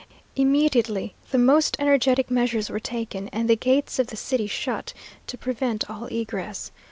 Immediately the most energetic measures were taken, and the gates of the city shut, to prevent all egress.